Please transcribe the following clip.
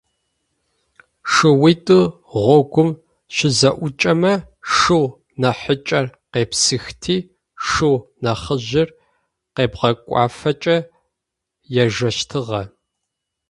Шыуитӏу гъогум щызэӏукӏэмэ, шыу нахьыкӏэр къепсыхти шыу ныхьыжъыр къебгъукӏофэкӏэ ежэщтыгъэ.